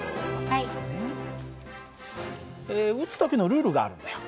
撃つ時のルールがあるんだよ。